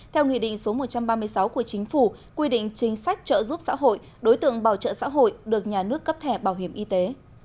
theo nghị định số một trăm ba mươi sáu của chính phủ quy định chính sách trợ giúp xã hội đối tượng bảo trợ xã hội được nhà nước cấp thẻ bảo hiểm y tế